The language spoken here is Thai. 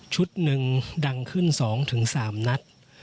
ชุดหนึ่งดังขึ้นสองถึงสามนัด